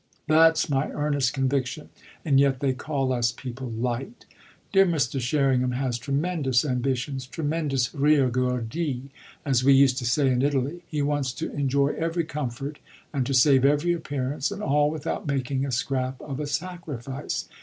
That's my earnest conviction, and yet they call us people light. Dear Mr. Sherringham has tremendous ambitions tremendous riguardi, as we used to say in Italy. He wants to enjoy every comfort and to save every appearance, and all without making a scrap of a sacrifice.